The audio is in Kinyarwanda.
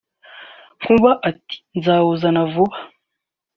Nkuba ati “Nzawuzana vuba